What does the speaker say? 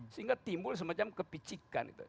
sehingga timbul semacam kepicikan itu